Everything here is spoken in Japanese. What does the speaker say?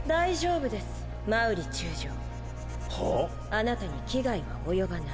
あなたに危害は及ばない。